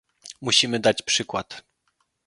Musimy dać przykład